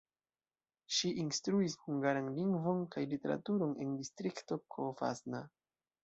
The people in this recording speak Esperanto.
Ŝi instruis hungaran lingvon kaj literaturon en Distrikto Covasna.